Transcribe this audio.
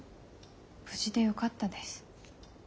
無事でよかったです。